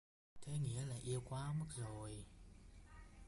Thế nghĩa là yêu quá mất rồi